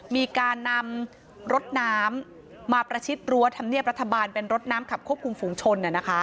มีการนำรถน้ำมาประชิดรั้วธรรมเนียบรัฐบาลเป็นรถน้ำขับควบคุมฝูงชน